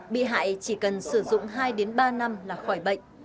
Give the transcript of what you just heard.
bị hại chỉ cần sử dụng hai ba năm là khỏi bệnh